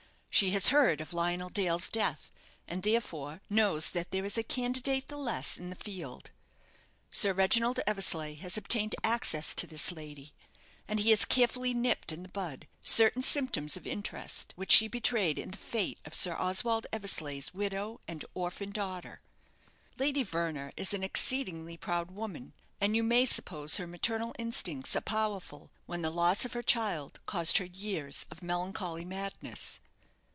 She has heard of Lionel Dale's death, and, therefore, knows that there is a candidate the less in the field. Sir Reginald Eversleigh has obtained access to this lady, and he has carefully nipped in the bud certain symptoms of interest which she betrayed in the fate of Sir Oswald Eversleigh's widow and orphan daughter. Lady Verner is an exceedingly proud woman, and you may suppose her maternal instincts are powerful, when the loss of her child caused her years of melancholy madness.